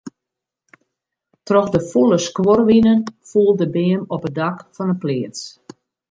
Troch de fûle skuorwinen foel de beam op it dak fan 'e pleats.